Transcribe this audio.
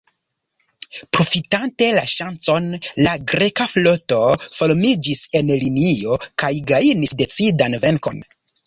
Profitante la ŝancon, la greka floto formiĝis en linio kaj gajnis decidan venkon.